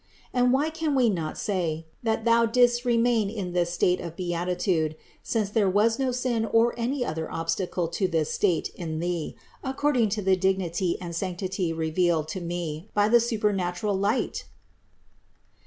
And why can we not say, thnt Thou didst remain in this state of beatitude, since there was no sin nor any other obstacle to this state THE INCARNATION 141 in Thee, according to the dignity and sanctity revealed to me by the supernatural light?